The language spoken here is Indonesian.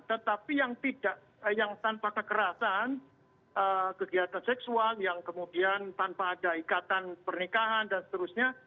tetapi yang tidak yang tanpa kekerasan kegiatan seksual yang kemudian tanpa ada ikatan pernikahan dan seterusnya